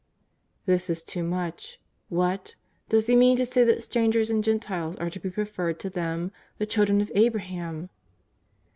''* This is too much. What ! does He mean to say that strangers and Gentiles are to be preferred to them, the children of Abraham